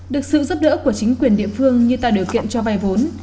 được sự giúp đỡ của chính quyền địa phương như tạo điều kiện cho vay vốn